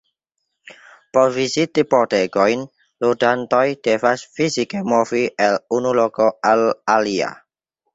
Por viziti pordegojn, ludantoj devas fizike movi el unu loko al alia.